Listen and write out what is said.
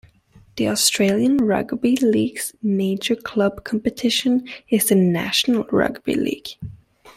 The Australian Rugby League's major club competition is the National Rugby League.